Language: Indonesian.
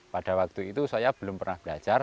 pada waktu itu saya belum pernah belajar